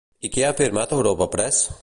I què ha afirmat Europa Press?